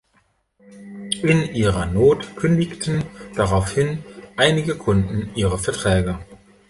In ihrer Not kündigten daraufhin einige Kunden ihre Verträge.